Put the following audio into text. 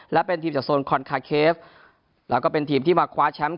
และเป็นทีมจากโซนคอนคาเคฟแล้วก็เป็นทีมที่มาคว้าแชมป์